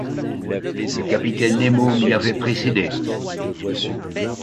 Le capitaine Nemo m’y avait précédé.